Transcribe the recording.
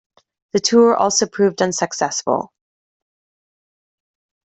The tour also proved unsuccessful.